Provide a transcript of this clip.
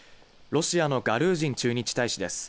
ロシアのガルージン駐日大使です。